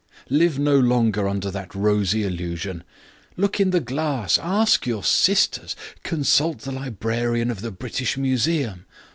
Live no longer under that rosy illusion. Look in the glass. Ask your sisters. Consult the librarian of the British Museum.